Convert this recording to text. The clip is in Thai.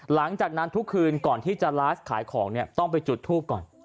หลังจากนั้นทุกคืนก่อนที่จะไลฟ์ขายของเนี่ยต้องไปจุดทูปก่อน